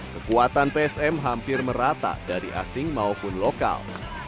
kekuatan psm hampir merata dari asing maupun lokal